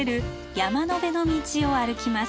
「山の辺の道」を歩きます。